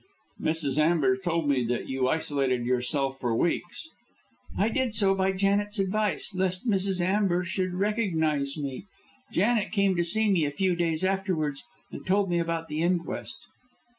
"Mrs. Amber told me that you isolated yourself for weeks." "I did so by Janet's advice, lest Mrs. Amber should recognise me. Janet came to see me a few days afterwards, and told me about the inquest."